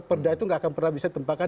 perda itu tidak akan pernah bisa ditempahkan